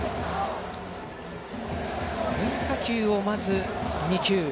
変化球をまず２球。